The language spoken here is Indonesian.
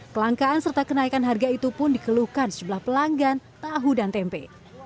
kelangkaan serta kenaikan harga itu pun dikeluhkan sejumlah pelanggan tahu dan tempe